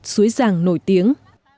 xôi giang nổi tiếng